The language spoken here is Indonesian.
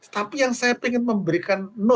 tapi yang saya ingin memberikan